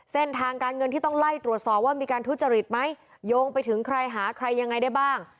เส้นทางการเงินที่ต้องไล่ตรวจสอบว่ามีการทุจริตไหมโยงไปถึงใครหาใครยังไงได้บ้าง